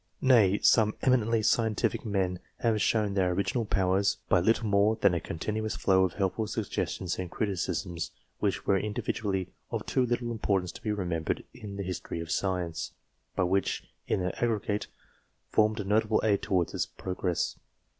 Nay, some eminently scientific 186 MEN OF SCIENCE men have shown their original powers by little more than a continuous flow of helpful suggestions and criticisms which were individually of too little importance to be remembered in the history of Science, but which, in their aggregate, formed a notable aid towards its progress.